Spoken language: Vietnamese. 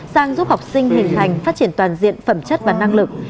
sang giúp học sinh hình thành phát triển toàn diện phẩm chất và năng lực